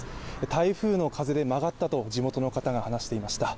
台風の風で曲がったと地元の方が話していました。